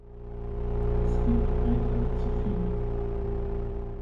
Es gibt einfach zu viele.